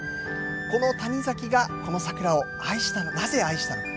この谷崎が、この桜をなぜ愛したのか。